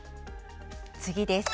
次です。